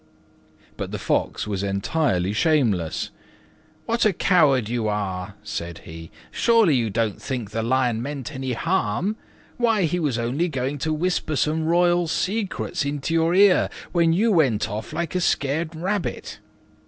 But the Fox was entirely shameless. "What a coward you were," said he; "surely you didn't think the Lion meant any harm? Why, he was only going to whisper some royal secrets into your ear when you went off like a scared rabbit.